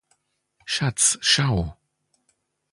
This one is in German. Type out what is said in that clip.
Schatz, schau